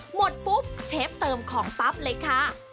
หมดปุ๊บเชฟเติมของปั๊บเลยค่ะ